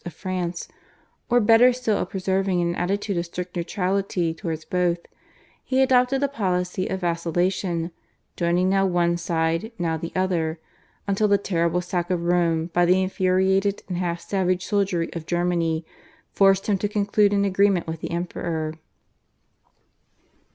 of France, or better still of preserving an attitude of strict neutrality towards both, he adopted a policy of vacillation joining now one side now the other, until the terrible sack of Rome by the infuriated and half savage soldiery of Germany forced him to conclude an agreement with the Emperor.